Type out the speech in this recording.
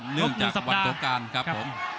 งดหนึ่งสัปดาห์เนื่องจากวันตกการณ์ครับผม